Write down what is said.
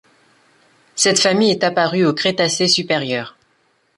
Cette famille est apparue au Crétacé supérieur.